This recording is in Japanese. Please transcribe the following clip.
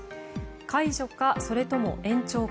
解除かそれとも延長か。